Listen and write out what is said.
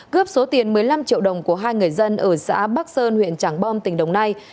cướp số tiền một mươi năm triệu đồng của hai người dân ở xã bắc sơn huyện trảng bom tỉnh đồng nai